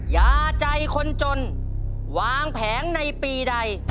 ยาใจคนจนวางแผงในปีใด